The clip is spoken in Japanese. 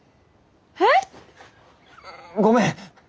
えっ！ごめん。